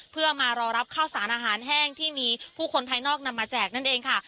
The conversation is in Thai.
เพื่อมารอรับข้าวสารอาหารแห้งที่มีผู้คนภายนอกนำมาแจกนั่นเองค่ะ